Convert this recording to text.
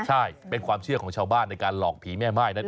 ใช่เป็นความเชื่อของชาวบ้านในการหลอกผีแม่ม่ายนั่นเอง